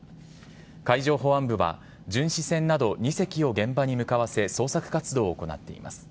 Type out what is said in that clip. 海上保安部は、巡視船など２隻を現場に向かわせ捜索活動を行っています。